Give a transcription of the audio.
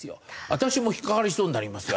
私も引っかかりそうになりますよ